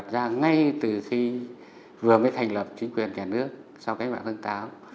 bác hồ đặt ra ngay từ khi vừa mới thành lập chính quyền nhà nước sau cái mạng thân táo